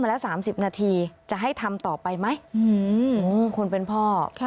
พาพนักงานสอบสวนสนราชบุรณะพาพนักงานสอบสวนสนราชบุรณะ